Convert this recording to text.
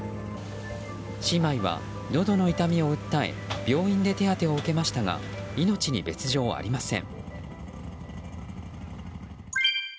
姉妹はのどの痛みを訴え病院で手当てを受けましたが命に別条はありません。